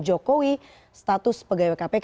jokowi status pegawai kpk